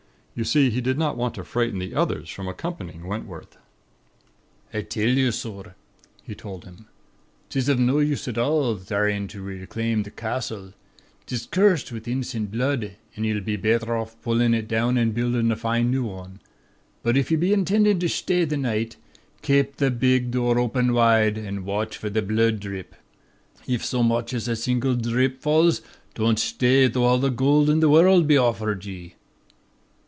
You see, he did not want to frighten the others from accompanying Wentworth. "'I tell ye, sorr,' he told him, ''tis of no use at all, thryin' ter reclaim ther castle. 'Tis curst with innocent blood, an' ye'll be betther pullin' it down, an' buildin' a fine new wan. But if ye be intendin' to shtay this night, kape the big dhoor open whide, an' watch for the bhlood dhrip. If so much as a single dhrip falls, don't shtay though all the gold in the worrld was offered ye.'